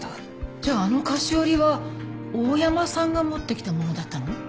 じゃああの菓子折りは大山さんが持ってきたものだったの？